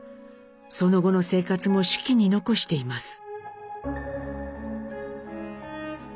その後の生活も手記に残しています。